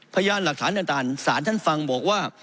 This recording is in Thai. พยานหลักฐานต่างศาลท่านฟังบอกว่า